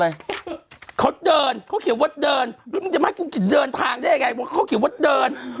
อีหนุ่มเขาเดินเขาเขียนว่าเดินมึงจะมาให้กุ้งกินเดินทางได้ไงเขาเขียนว่าเดิน